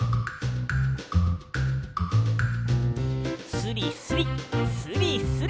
スリスリスリスリ。